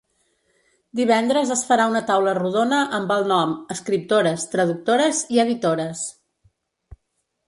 Divendres es farà una taula rodona amb el nom Escriptores, traductores i editores.